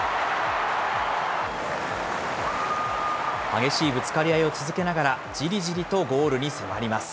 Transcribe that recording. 激しいぶつかり合いを続けながら、じりじりとゴールに迫ります。